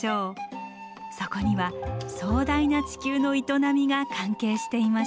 そこには壮大な地球の営みが関係していました。